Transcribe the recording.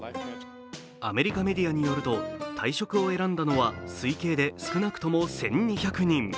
アメリカメディアによると退職を選んだのは推計で少なくとも１２００人。